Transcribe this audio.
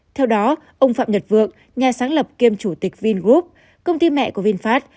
theo đó ông phạm nhật vượng nhà sáng lập kiêm chủ tịch vingroup công ty mẹ của vinfast